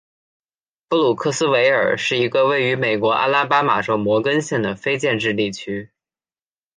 布鲁克斯维尔是一个位于美国阿拉巴马州摩根县的非建制地区。